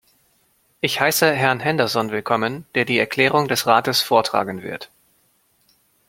Ich heiße Herrn Henderson willkommen, der die Erklärung des Rates vortragen wird.